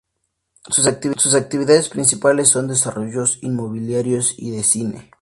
Sus actividades principales son desarrollos inmobiliarios y de cine.